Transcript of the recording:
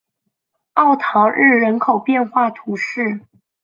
奥唐日人口变化图示